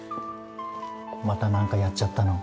また何かやっちゃったの？